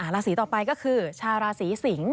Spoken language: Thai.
ราศีต่อไปก็คือชาวราศีสิงศ